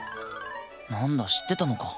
なんだ知ってたのか。